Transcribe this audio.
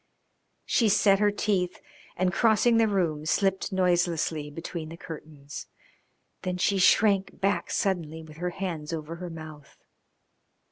She set her teeth and, crossing the room, slipped noiselessly between the curtains. Then she shrank back suddenly with her hands over her mouth.